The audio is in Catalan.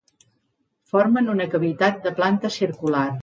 Formen una cavitat de planta circular.